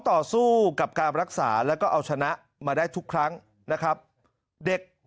ต่อสู้กับการรักษาแล้วก็เอาชนะมาได้ทุกครั้งนะครับเด็ก